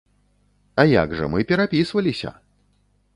А як жа, мы перапісваліся!